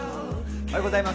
おはようございます。